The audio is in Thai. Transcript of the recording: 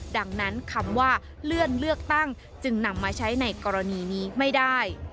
ดังนั้นคำว่าเลื่อนเลือกตั้งจึงนำมาใช้ในกรณีนี้ไม่ได้